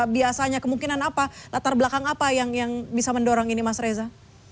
biasanya kemungkinan apa latar belakang apa yang bisa mendorong ini mas reza